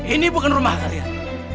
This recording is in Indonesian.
ini bukan rumah kalian